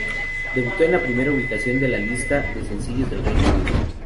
Debutó en la primera ubicación de la lista de sencillos del Reino Unido.